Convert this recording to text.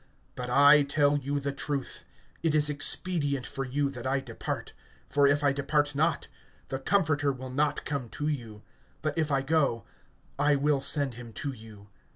(7)But I tell you the truth, it is expedient for you that I depart; for if I depart not, the Comforter will not come to you; but if I go, I will send him to you.